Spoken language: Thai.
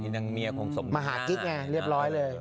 นางเมียคงสมท้ายมาหากิ๊กไงเรียบร้อยเลย